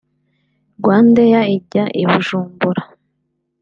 RwandAir ijya i Bujumbura